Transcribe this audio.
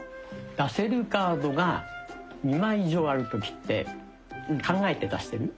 出せるカードが２枚以上ある時って考えて出してる？